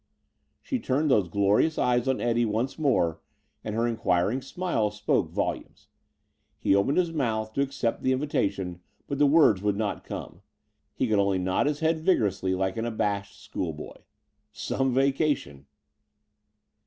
She turned those glorious eyes on Eddie once more and her inquiring smile spoke volumes. He opened his mouth to accept the invitation but the words would not come. He could only nod his head vigorously like an abashed schoolboy. Some vacation!